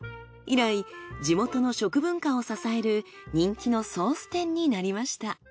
以来地元の食文化を支える人気のソース店になりました。